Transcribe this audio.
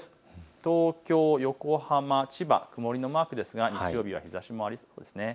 東京、横浜、千葉、曇りのマークですが日曜日は日ざしもありそうです。